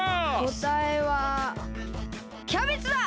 こたえはキャベツだ！